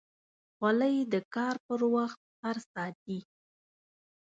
خولۍ د کار پر وخت سر ساتي.